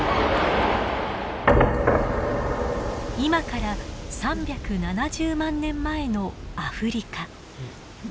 今から３７０万年前のアフリカ。